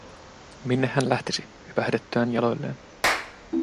Minne hän lähtisi, hypähdettyään jaloilleen?